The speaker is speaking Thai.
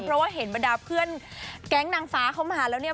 เพราะว่าเห็นบรรดาเพื่อนแก๊งนางฟ้าเข้ามาแล้วเนี่ย